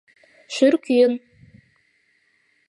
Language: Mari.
Шӱр кӱын.